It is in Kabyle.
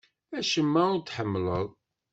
Acemma ur t-ḥemmleɣ.